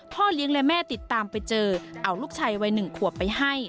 เลี้ยงและแม่ติดตามไปเจอเอาลูกชายวัย๑ขวบไปให้